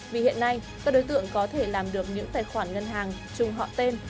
vì hiện nay các đối tượng có thể làm được những tài khoản ngân hàng chung họ tên